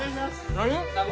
何？